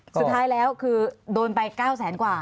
สุดท้ายแล้วคือโดนไป๙แสนกว่า